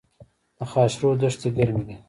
د خاشرود دښتې ګرمې دي